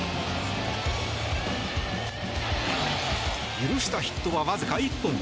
許したヒットはわずか１本。